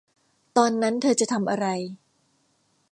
ตอนนั้นเธอจะทำอะไร